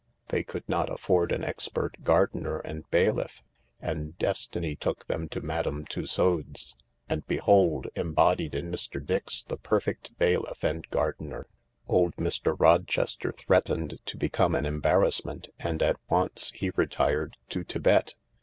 They could not afford an expert gardener and bailiff: and Destiny took them to Madame Tussauds, and behold, embodied in Mr. Dix, the perfect bailiff and gardener. Old Mr. Rochester threatened to become an embarrassment : and at once he retired to Thibet.